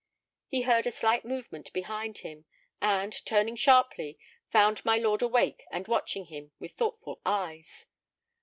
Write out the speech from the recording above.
He heard a slight movement behind him, and, turning sharply, found my lord awake and watching him with thoughtful eyes.